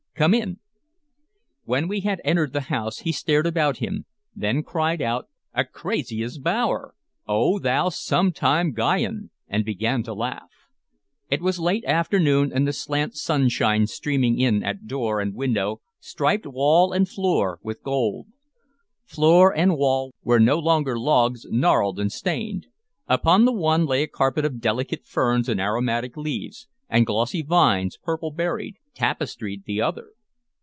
"Come in." When we had entered the house he stared about him; then cried out, "Acrasia's bower! Oh, thou sometime Guyon!" and began to laugh. It was late afternoon, and the slant sunshine streaming in at door and window striped wall and floor with gold. Floor and wall were no longer logs gnarled and stained: upon the one lay a carpet of delicate ferns and aromatic leaves, and glossy vines, purple berried, tapestried the other.